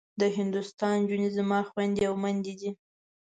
د هندوستان نجونې زما خوندي او مندي دي.